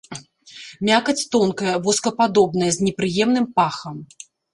Мякаць тонкая, воскападобная, з непрыемным пахам.